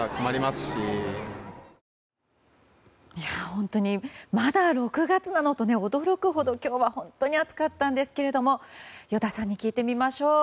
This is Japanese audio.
本当にまだ６月なの？と驚くほど今日は本当に暑かったんですが依田さんに聞いてみましょう。